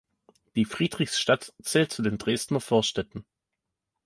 Die Friedrichstadt zählt zu den Dresdner Vorstädten.